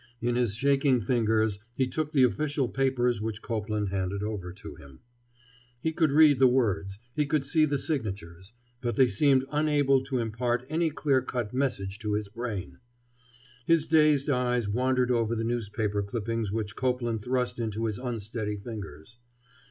In his shaking fingers he took the official papers which Copeland handed over to him. He could read the words, he could see the signatures, but they seemed unable to impart any clear cut message to his brain. His dazed eyes wandered over the newspaper clippings which Copeland thrust into his unsteady fingers.